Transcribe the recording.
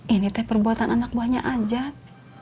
ini teh perbuatan anak buahnya ajat